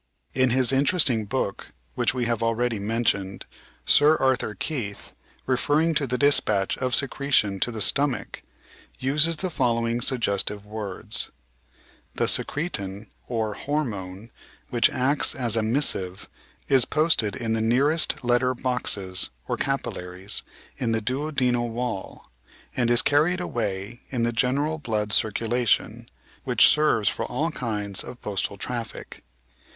In his interesting book, which we have already mentioned. Sir Arthur Keith, refer ring to the dispatch of secretion to the stomach, uses the following suggestive words: The secretin, or hormone, which acts as a missive " is posted in the nearest letter boxes or capillaries in the duodenal wall and is carried away in the general blood circulation, which serves for all kinds of postal traffic.